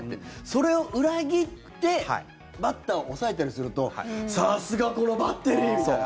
それを裏切ってバッターを抑えたりするとさすがこのバッテリー！みたいな。